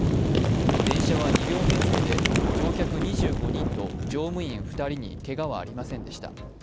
電車は２両編成で乗客２５人と乗務員２人にけがはありませんでした。